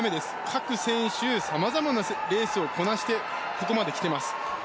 各選手、様々なレースをこなしてここまで来ています。